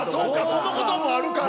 そんなこともあるから。